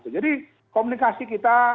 jadi komunikasi kita